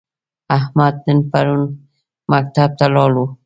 احمدن پرون مکتب ته لاړ و؟